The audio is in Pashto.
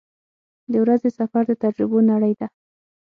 • د ورځې سفر د تجربو نړۍ ده.